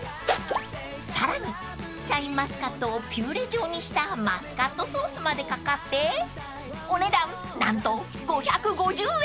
［さらにシャインマスカットをピューレ状にしたマスカットソースまで掛かってお値段何と５５０円］